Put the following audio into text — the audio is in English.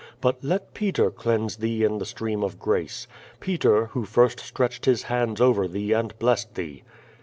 But let Peter cleanse thee in the stream of grace. Peter who first stretched his hands over thee and blessed thee.'